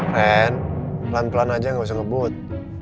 ren pelan pelan aja gak usah ngebut